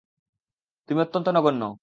তুমি অত্যন্ত নগন্য!